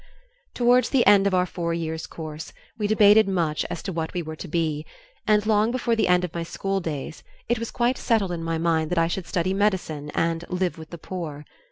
Towards the end of our four years' course we debated much as to what we were to be, and long before the end of my school days it was quite settled in my mind that I should study medicine and "live with the poor."